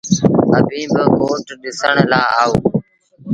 اڀيٚن با ڪوٽ ڏسڻ لآ آئو۔